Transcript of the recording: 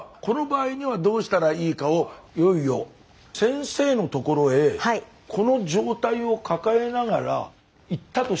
この場合にはどうしたらいいかをいよいよ先生のところへこの状態を抱えながら行ったとしましょう。